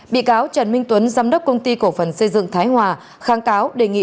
bị cáo trần minh tuấn giám đốc công ty cổ phần xây dựng thái hòa kháng cáo đề nghị